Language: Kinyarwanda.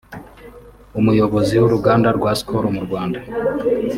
Umuyobozi w’Uruganda rwa Skol mu Rwanda